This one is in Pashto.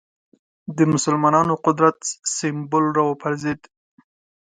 د مسلمانانو قدرت سېمبول راوپرځېد